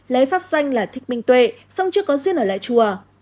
lấy pháp danh là thích minh tuệ song chưa có duyên ở lại chùa